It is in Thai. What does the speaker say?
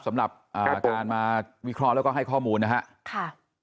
สำหรับการมาวิเคราะห์แล้วก็ให้ข้อมูลนะครับ